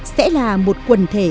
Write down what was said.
sẽ là một quần thể